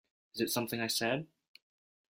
Is it something I said?